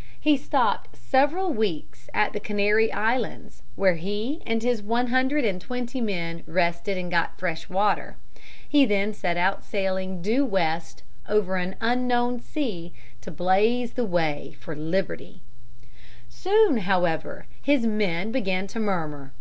] He stopped several weeks at the Canary Islands, where he and his one hundred and twenty men rested and got fresh water. He then set out sailing due west over an unknown sea to blaze the way for liberty. Soon, however, his men began to murmur.